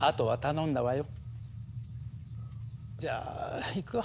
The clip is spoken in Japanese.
じゃあ行くわ。